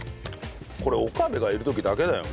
これ岡部がいる時だけだよね？